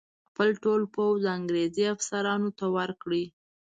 خپل ټول پوځ انګرېزي افسرانو ته ورکړي.